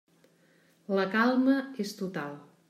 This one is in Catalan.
La calma és total.